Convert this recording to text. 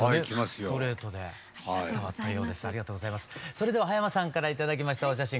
それでは羽山さんから頂きましたお写真